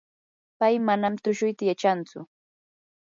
pay manam tushuyta yachantsu.